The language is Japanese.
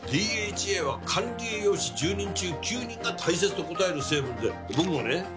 ＤＨＡは管理栄養士１０人中９人が大切と答える成分で僕もね